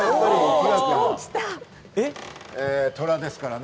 トラですからね。